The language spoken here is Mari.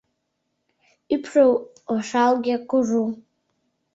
Ӱпшӧ ошалге, кужу.